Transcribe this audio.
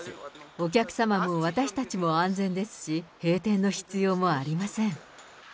お客様も私たちも安全ですし、閉店の必要もありません。